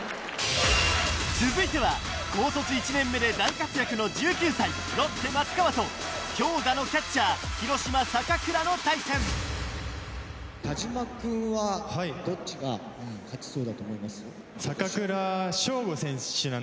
続いては高卒１年目で大活躍の１９歳ロッテ・松川と強打のキャッチャー広島・坂倉の対戦田島君はどっちが勝ちそうだと思います？